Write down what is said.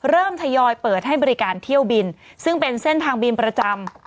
ทยอยเปิดให้บริการเที่ยวบินซึ่งเป็นเส้นทางบินประจำ